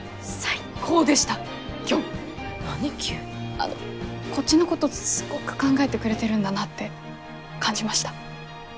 あのこっちのことすごく考えてくれてるんだなって感じました。